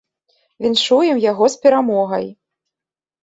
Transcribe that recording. Віншуем яго з перамогай!